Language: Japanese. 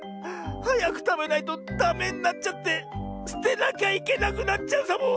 はやくたべないとダメになっちゃってすてなきゃいけなくなっちゃうサボ。